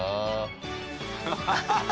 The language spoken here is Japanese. ハハハハ！